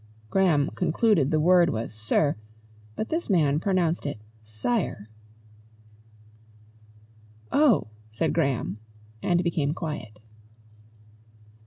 (Graham concluded the word was sir, but this man pronounced it "Sire.") "Oh!" said Graham, and became quiet.